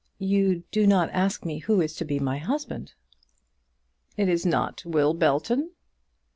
You do not ask me who is to be my husband." "It is not Will Belton?"